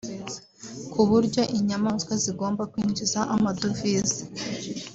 kuburyo inyamaswa zigomba kwinjiza amadovise